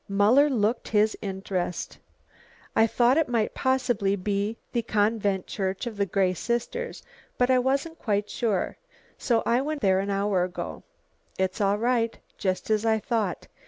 Muller looked his interest. "I thought it might possibly be the Convent Church of the Grey Sisters, but I wasn't quite sure, so I went there an hour ago. It's all right, just as I thought.